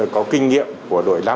có kinh nghiệm của đội năm